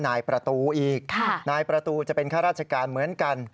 นายประตูอีกนายประตูจะเป็นข้าราชการเหมือนกัน